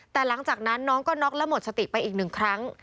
แต่หลังจากนั้นน้องก็น็อกและหมดสติไปอีกหนึ่งครั้ง